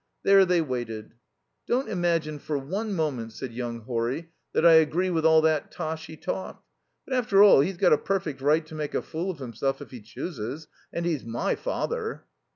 There they waited. "Don't imagine for one moment," said young Horry, "that I agree with all that tosh he talked. But, after all, he's got a perfect right to make a fool of himself if he chooses. And he's my father."